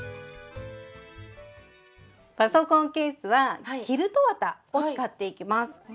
パソコンケースはキルト綿を使っていきます。